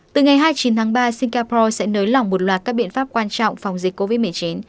từ ngày hai mươi chín tháng ba singapore sẽ nới lỏng một loạt các biện pháp quan trọng phòng dịch covid một mươi chín